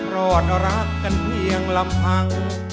รอดรักกันเพียงลำพัง